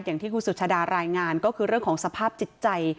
อย่างที่คุณสุชาดารายงานก็คือเรื่องของสภาพจิตใจ